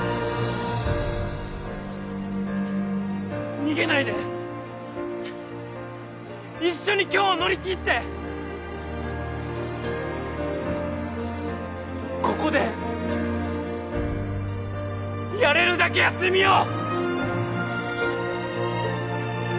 逃げないで一緒に今日を乗り切ってここでやれるだけやってみよう！